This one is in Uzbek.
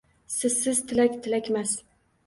Sizsiz tilak tilakmas